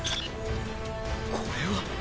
これは。